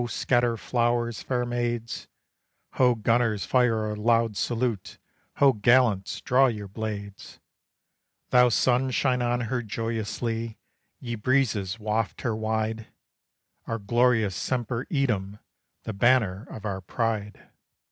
scatter flowers, fair maids: Ho! gunners fire a loud salute: ho! gallants, draw your blades: Thou sun, shine on her joyously; ye breezes waft her wide; Our glorious SEMPER EADEM, the banner of our pride.